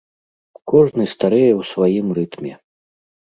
Кожны старэе ў сваім рытме.